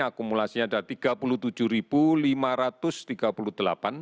akumulasinya ada tiga puluh tujuh lima ratus tiga puluh delapan